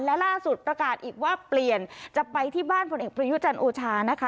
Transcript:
และล่าสุดประกาศอีกว่าเปลี่ยนจะไปที่บ้านผลเอกประยุจันทร์โอชานะคะ